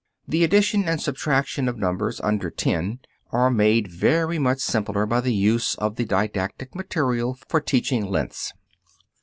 The addition and subtraction of numbers under ten are made very much simpler by the use of the didactic material for teaching lengths.